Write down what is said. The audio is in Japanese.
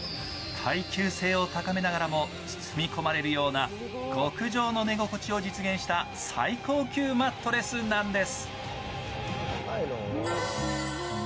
耐久性を掲げながらも包み込むような極上の寝心地を実現した、最高級マットレスなんです。